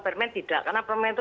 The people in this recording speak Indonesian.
permen tidak karena permen itu